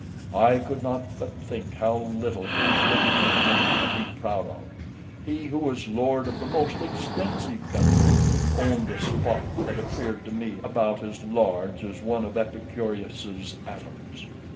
I could not but think how little these rich men had to be proud of; he who was lord of the most extensive country owned a spot that appeared to me about as large as one of Epicurus's atoms.